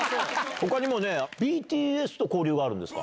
ほかにもＢＴＳと交流があるんですか？